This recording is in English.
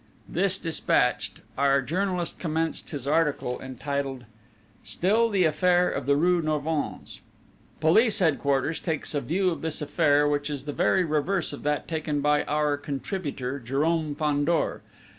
'"_ This despatched, our journalist commenced his article entitled: STILL THE AFFAIR OF THE RUE NORVINS _Police Headquarters takes a view of this affair which is the very reverse of that taken by our contributor, Jérôme Fandor.